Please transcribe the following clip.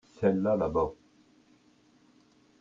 celle-là là-bas.